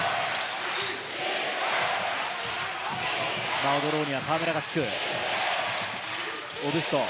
マオド・ローには河村がつく。